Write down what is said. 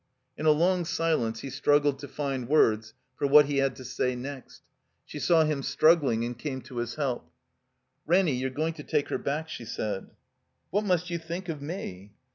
In a long silence he struggled to find words for what he had to say next. She saw him struggling and came to his help. "Ranny, you're going to take her back," she said. "What must you think of me?"